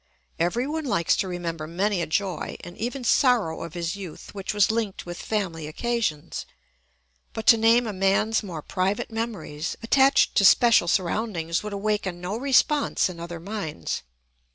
Everyone likes to remember many a joy and even sorrow of his youth which was linked with family occasions; but to name a man's more private memories, attached to special surroundings, would awaken no response in other minds.